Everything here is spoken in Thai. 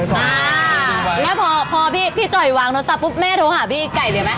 แล้วพอพี่จอยวางโทรสับปุ๊บแม่โทรหาพี่ไก่เลยมั้ย